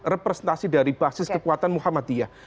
representasi dari basis kekuatan muhammadiyah